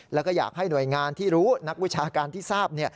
แล้วก็อยากให้หน่วยงานที่รู้นักวิชาการที่ทราบ